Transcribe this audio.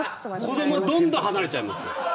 子供どんどん離れちゃいますよ。